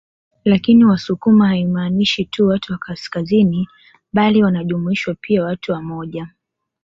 Lakini Wasukuma haimaanishi tu watu wa kaskazini bali wanajumuishwa pia watu wa moja